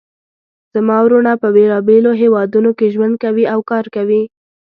زما وروڼه په بیلابیلو هیوادونو کې ژوند کوي او کار کوي